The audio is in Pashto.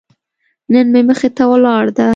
نن مې مخې ته ولاړه ده.